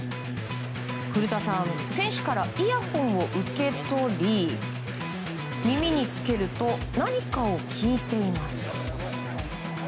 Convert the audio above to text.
古田さん選手からイヤホンを受け取り耳につけると何かを聴いています。